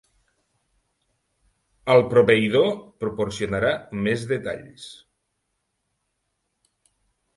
El proveïdor proporcionarà més detalls.